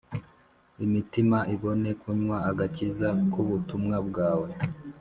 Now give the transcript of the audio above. Imitima ibone kunywa agakiza k’ubutumwa bwawe